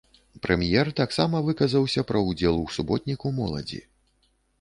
Прэм'ер таксама выказаўся пра ўдзел ў суботніку моладзі.